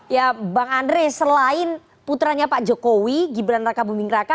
ya bang andre selain putranya pak jokowi gibran raka buming raka